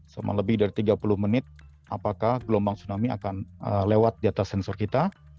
selama lebih dari tiga puluh menit apakah gelombang tsunami akan lewat di atas sensor kita